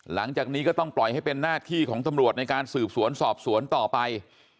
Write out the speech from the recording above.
หลังจากนี้ก็ต้องปล่อยให้เป็นหน้าที่ของตำรวจในการสืบสวนสอบสวนต่อไป